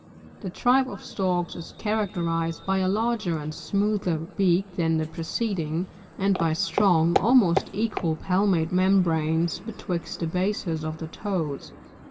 40. The tribe of Storks is characterised by a larggr and smoother beak than the preceding, and by strong, almost equal palmate membranes betwixt the bases of the toes.